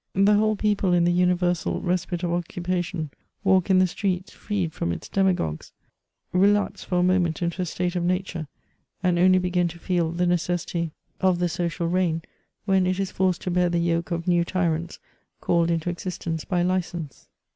The whole people in the universal respite of occupation, walk in the streets, freed from its demagogues, relapse for a moment into a state of nature, and only begin to feel the necessity of the social C H ATE AUBRIASD. 221 rein, when it is forced to bear the yoke of new tyrants called into existence by license.